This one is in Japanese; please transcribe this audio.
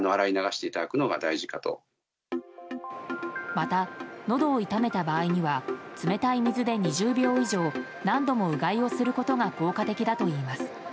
また、のどを痛めた場合には冷たい水で２０秒以上何度もうがいをすることが効果的だといいます。